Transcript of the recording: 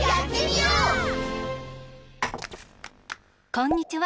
こんにちは。